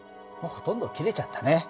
もうほとんど切れちゃったね。